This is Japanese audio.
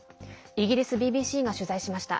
イギリスＢＢＣが取材しました。